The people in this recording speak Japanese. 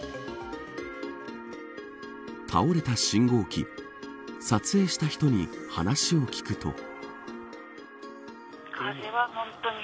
倒れた信号機撮影した人に話を聞くと。